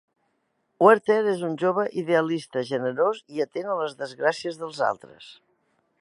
Werther és un jove idealista, generós i atent a les desgràcies dels altres.